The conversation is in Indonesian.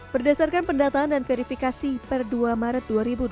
berdasarkan pendataan dan verifikasi per dua maret dua ribu dua puluh